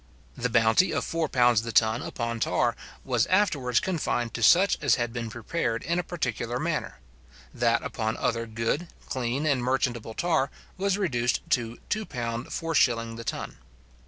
The bounty of £4 the ton upon tar was afterwards confined to such as had been prepared in a particular manner; that upon other good, clean, and merchantable tar was reduced to £2:4s. the ton.